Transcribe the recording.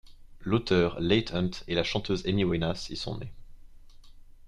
L'auteur Leigh Hunt et la chanteuse Amy Winehouse y sont nés.